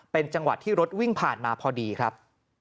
เป็นจังหวะที่รถวิ่งผ่านมาพอดีครับ